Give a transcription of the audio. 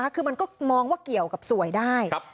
คือมันก็มองว่าเกี่ยวกับสวยได้